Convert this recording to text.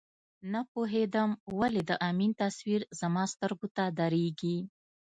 نه پوهېدم ولې د امین تصویر زما سترګو ته درېږي.